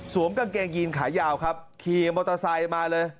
กางเกงยีนขายาวครับขี่มอเตอร์ไซค์มาเลย